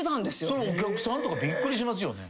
それお客さんとかびっくりしますよね？